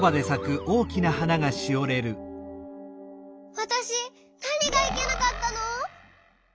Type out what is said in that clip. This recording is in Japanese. わたしなにがいけなかったの！？